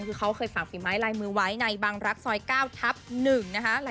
คือเขาเคยฝากฝีไม้ลายมือไว้ในบางรักซอย๙ทับ๑นะคะ